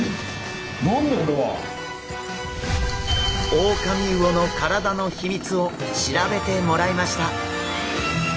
オオカミウオの体の秘密を調べてもらいました。